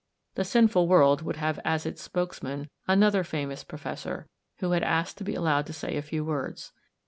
The sinful world would have as its spokesman another famous professor, who had asked to be allowed to say a few words.